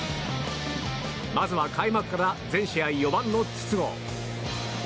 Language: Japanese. まずは開幕から全試合４番の筒香。